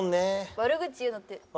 悪口言うのって。